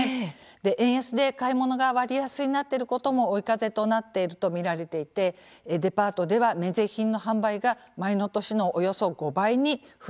円安で買い物が割安になっていることも追い風となっていると見られていてデパートでは免税品の販売が前の年のおよそ５倍に増えたんですね。